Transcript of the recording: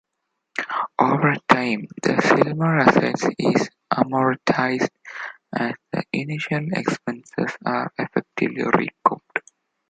Over time, the Zillmer asset is amortised as the initial expenses are effectively recouped.